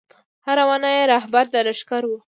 هره ونه یې رهبره د لښکر وه